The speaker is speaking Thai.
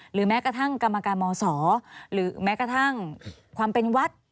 แม้กระทั่งกรรมการมศหรือแม้กระทั่งความเป็นวัด